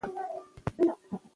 ایا پلی تګ روغتیا ښه کوي؟